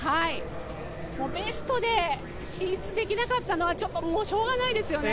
ベストで進出できなかったのはちょっとしょうがないですよね。